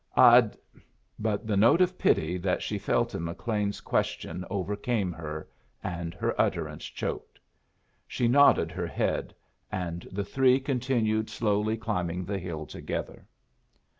"I'd " But the note of pity that she felt in McLean's question overcame her, and her utterance choked. She nodded her head, and the three continued slowly climbing the hill together.